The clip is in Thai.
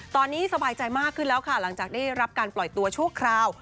ตอนนี้สบายใจมากขึ้นแล้วค่ะหลังจากได้รับการปล่อยตัวชั่วคราว